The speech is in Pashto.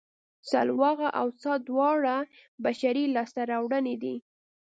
سلواغه او څا دواړه بشري لاسته راوړنې دي